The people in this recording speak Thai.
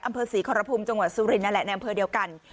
อำเภอศรีขอรพุมจังหวัดสุรินนั่นแหละในอำเภอเดียวกัน